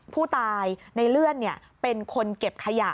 ผู้ตายในเลื่อนเป็นคนเก็บขยะ